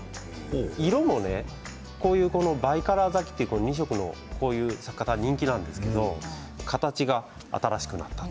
色もバイカラー咲きという２色のこういう咲き方が人気なんですけれど形が新しくなったと。